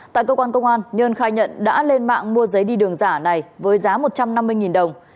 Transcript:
tại cơ quan công an nhân khai nhận đã lên mạng mua giấy đi đường giả này với giá một trăm năm mươi đồng